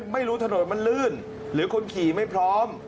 ไม่รู้ถนนมันลื่นหรือคนขี่ไม่พร้อม